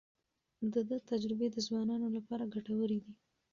د ده تجربې د ځوانانو لپاره ګټورې دي.